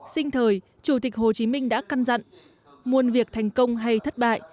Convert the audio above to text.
sinh thời chủ tịch hồ chí minh đã căn dặn muôn việc thành công hay thất bại